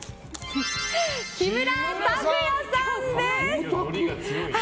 木村拓哉さんです。